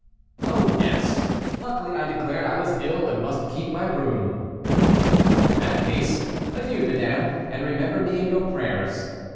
"Oh, yes; luckily I declared I was ill and must keep my room." "In that case, adieu, madame, and remember me in your prayers."